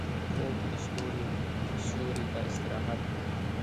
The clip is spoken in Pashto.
خوب د ستوريو سیوري ته استراحت دی